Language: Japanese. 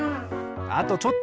あとちょっと！